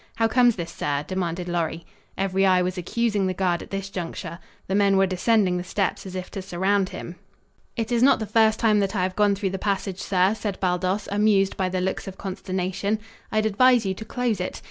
How comes this, sir?" demanded Lorry. Every eye was accusing the guard at this juncture. The men were descending the steps as if to surround him. "It is not the first time that I have gone through the passage, sir," said Baldos, amused by the looks of consternation. "I'd advise you to close it.